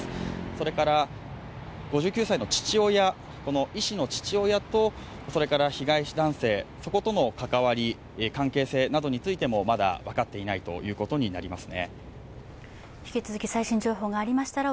それから、５９歳の医師の父親と被害男性、そことの関わり、関係性などについてもまだ分かっていないことになります。